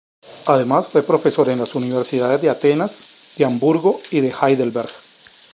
Además, fue profesor en las universidades de Atenas, de Hamburgo y de Heidelberg.